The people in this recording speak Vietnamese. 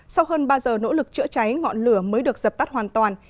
sau hơn ba giờ nỗ lực chữa cháy ngọn lửa mới được dập tắt hoàn toàn